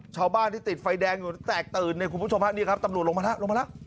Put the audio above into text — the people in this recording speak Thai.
ชาวบ้านที่ติดไฟแดงอยู่แตกตื่นเนี่ยคุณผู้ชมฮะนี่ครับตำรวจลงมาแล้วลงมาแล้ว